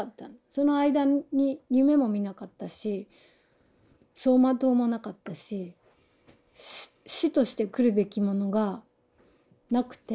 その間に夢も見なかったし走馬灯もなかったし死としてして来るべきものがなくて。